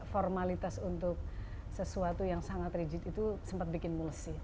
formalitas untuk sesuatu yang sangat rigid itu sempat bikin mulus sih